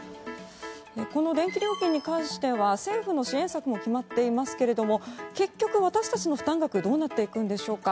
この電気料金に関しては政府の支援策も決まっていますが結局、私たちの負担額はどうなっていくんでしょうか。